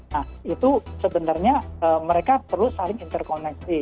nah itu sebenarnya mereka perlu saling interkoneksi